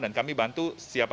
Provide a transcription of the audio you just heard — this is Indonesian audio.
dan kami bantu siapa siapa